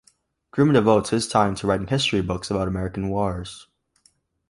Groom devotes his time to writing history books about American wars.